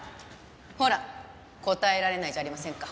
ほら答えられないじゃありませんか。